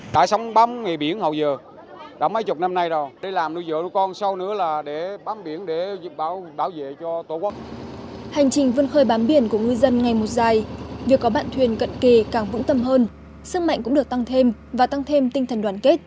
hành trình vươn khơi bám biển của ngư dân ngày một dài việc có bạn thuyền cận kề càng vững tâm hơn sức mạnh cũng được tăng thêm và tăng thêm tinh thần đoàn kết